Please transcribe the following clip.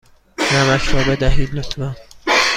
نمک را بدهید، لطفا.